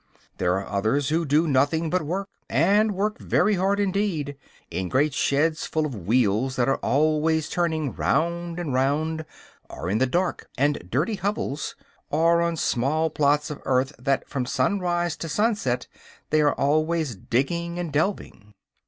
There are others who do nothing but work, and work very hard indeed, in great sheds full of wheels that are always turning round and round, or in dark and dirty hovels, or on small plots of earth that from sunrise to sunset they are always digging and delving.